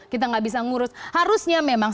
kita nggak bisa ngurus harusnya memang